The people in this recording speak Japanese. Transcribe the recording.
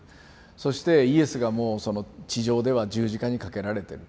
そしてイエスがもう地上では十字架に掛けられてる。